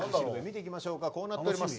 こうなっております。